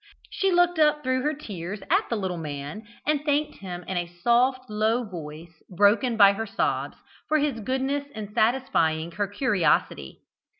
She looked up through her tears at the little man, and thanked him in a soft, low voice, broken by her sobs, for his goodness in satisfying her curiosity.